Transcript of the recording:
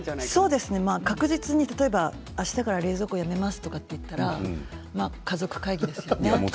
そうですね、確実にあしたから冷蔵庫をやめますと言ったら家族会議ですよね。